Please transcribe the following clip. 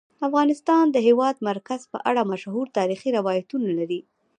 افغانستان د د هېواد مرکز په اړه مشهور تاریخی روایتونه لري.